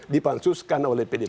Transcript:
dipansuskan oleh pdi